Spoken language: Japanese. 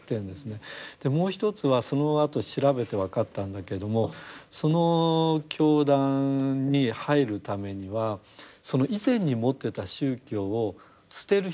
もう一つはそのあと調べて分かったんだけれどもその教団に入るためにはその以前に持ってた宗教を捨てる必要がない。